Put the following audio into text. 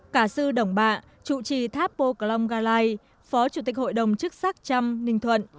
cả sư đồng bạ trụ trì tháp po klonggalai phó chủ tịch hội đồng chức sắc trăm ninh thuận